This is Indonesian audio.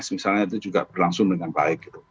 misalnya itu juga berlangsung dengan baik gitu